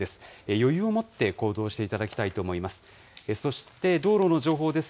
余裕を持って行動していただきたいと思います。